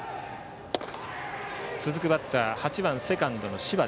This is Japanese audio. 続くバッター８番、セカンドの柴。